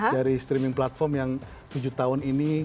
dari streaming platform yang tujuh tahun ini